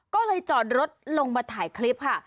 ก็เลยจอดรถลงมาถ่ายคลิปค่ะ